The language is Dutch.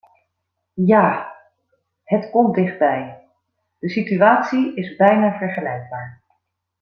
Ja, het komt dichtbij, de situatie is bijna vergelijkbaar.